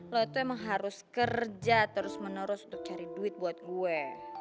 lo tuh emang harus kerja terus menerus untuk cari duit buat gue